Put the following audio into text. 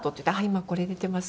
今これ出てますけど。